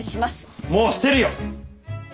もうしてるよ！